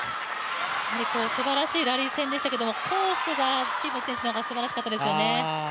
すばらしいラリー戦でしたけどコースが陳夢選手の方がすばらしかったですよね。